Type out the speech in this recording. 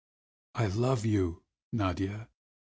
"I love you, Nadia!"